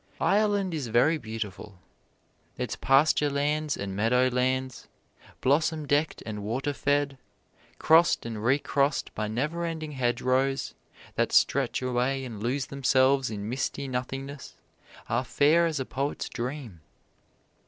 Ireland is very beautiful. Its pasture lands and meadow lands, blossom decked and water fed, crossed and recrossed by never ending hedgerows, that stretch away and lose themselves in misty nothingness, are fair as a poet's dream.